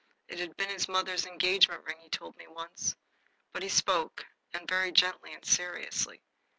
It had been his mother's engagement ring, he told me once. But he spoke, and very gently and seriously.